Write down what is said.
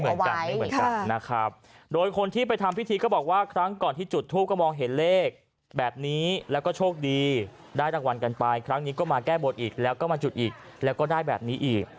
เหมือนกันไม่เหมือนกันนะครับโดยคนที่ไปทำพิธีก็บอกว่าครั้งก่อนที่จุดทูปก็มองเห็นเลขแบบนี้แล้วก็โชคดีได้รางวัลกันไปครั้งนี้ก็มาแก้บนอีกแล้วก็มาจุดอีกแล้วก็ได้แบบนี้อีก